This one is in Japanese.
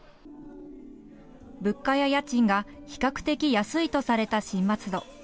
物価や家賃が比較的安いとされた新松戸。